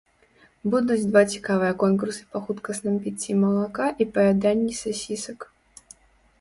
Будуць два цікавыя конкурсы па хуткасным піцці малака і паяданні сасісак.